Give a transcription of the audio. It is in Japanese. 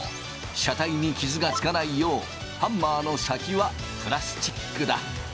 車体に傷がつかないようハンマーの先はプラスチックだ。